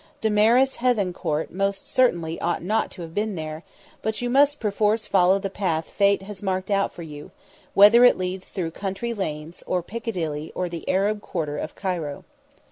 Damaris Hethencourt most certainly ought not to have been there, but you must perforce follow the path Fate has marked out for you, whether it leads through country lanes, or Piccadilly, or the Arab quarter of Cairo.